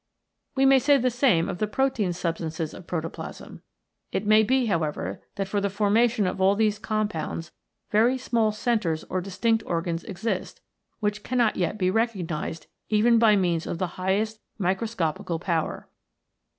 We may say the same of the protein substances of proto plasm. It may be, however, that for the formation of all these compounds very small centres or distinct organs exist, which cannot yet be recog nised even by means of the highest microscopical power.